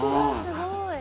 すごい！」